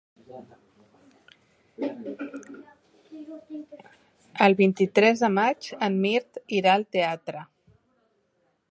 El vint-i-tres de maig en Mirt irà al teatre.